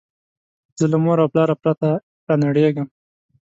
زه له موره او پلاره پرته رانړېږم